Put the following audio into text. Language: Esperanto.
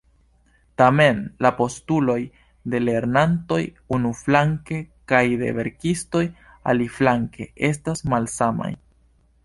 Tamen, la postuloj de lernantoj, unuflanke, kaj de verkistoj, aliflanke, estas malsamaj.